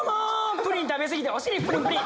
プリン食べ過ぎてお尻プリンプリン。